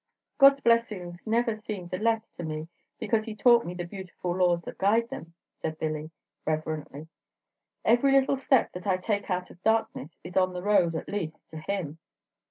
"God's blessings never seemed the less to me because he taught me the beautiful laws that guide them," said Billy, reverently; "every little step that I take out of darkness is on the road, at least, to Him."